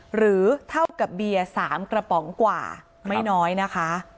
หรือเท่ากับเบียร์๓กระป๋องกว่าไม่น้อยนะคะ